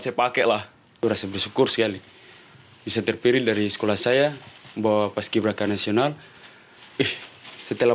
saya pakailah berasa bersyukur sekali bisa terpilih dari sekolah saya bawa pas ibraka nasional setelah